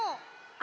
あ！